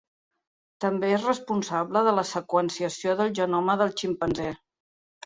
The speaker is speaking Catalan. També és responsable de la seqüenciació del genoma del ximpanzé.